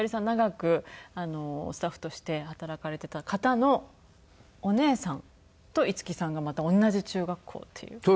長くスタッフとして働かれていた方のお姉さんと五木さんがまた同じ中学校っていう。